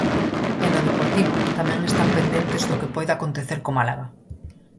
E no Deportivo tamén están pendentes do que poida acontecer co Málaga.